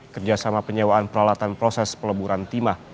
kerjasama penyewaan peralatan proses peleburan timah